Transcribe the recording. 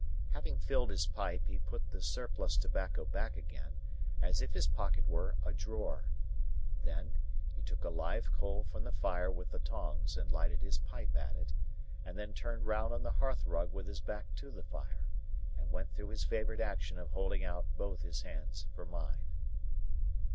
Having filled his pipe, he put the surplus tobacco back again, as if his pocket were a drawer. Then, he took a live coal from the fire with the tongs, and lighted his pipe at it, and then turned round on the hearth rug with his back to the fire, and went through his favourite action of holding out both his hands for mine.